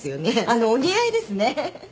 あのうお似合いですね。